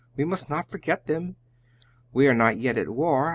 "We must not forget them! We are not yet at war.